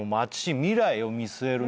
未来を見据えるね。